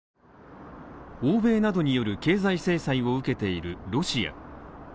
欧米などによる経済制裁を受けているロシア。